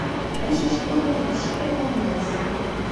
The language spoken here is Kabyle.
Amcic-nni yella imecceḥ iman-nnes.